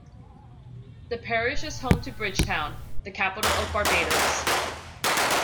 The parish is home to Bridgetown, the capital of Barbados.